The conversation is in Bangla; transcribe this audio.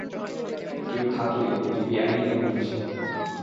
কেউ থাকলে তিনি বেআইনি অভিবাসী।